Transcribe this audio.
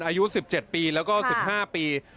อายุ๑๗ปีแล้วก็๑๕ปี